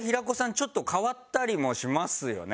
ちょっと変わったりもしますよね。